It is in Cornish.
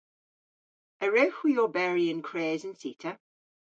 A wrewgh hwi oberi yn kres an cita?